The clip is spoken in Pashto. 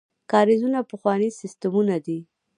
کاریزونه پخواني سیستمونه دي.